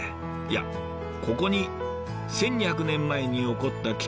いやここに１，２００年前に起こった